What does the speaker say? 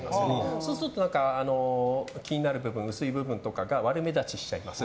そうすると気になる部分薄い部分とかが悪目立ちしちゃいます。